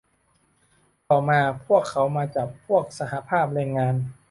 ต่อมา พวกเขามาจับพวกสหภาพแรงงาน